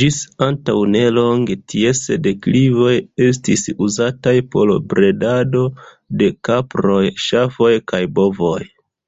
Ĝis antaŭ nelonge, ties deklivoj estis uzataj por bredado de kaproj, ŝafoj kaj bovoj.